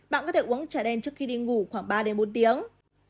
bạn có thể uống trà đen trước khi đi ngủ khoảng ba đến bốn tiếng